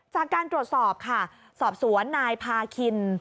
จากการตรวจสอบค่ะสอบสวนนายพาคิน